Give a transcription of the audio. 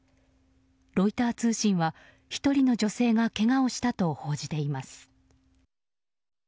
ロイター通信は１人の女性がけがをしたと報じています。